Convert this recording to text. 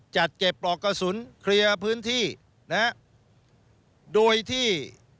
จัดเก็บปลอกกระสุนเคลียร์พื้นที่นะฮะโดยที่